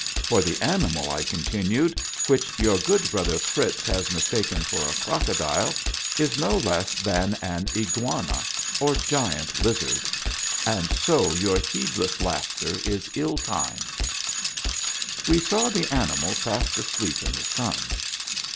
" For the animal," I continued, " which your good brother Fritz has mistaken for a crocodile is no less than an Iguana, or gigantic lizard. And so your heedless laughter is ill timed." We saw the animal fast asleep in the sun.